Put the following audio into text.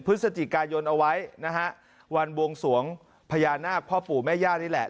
พื้นสจิกายนยนต์เอาไว้นะฮะวันวงสวงพญานาคพ่อปู่แม่ญาตินี่แหละ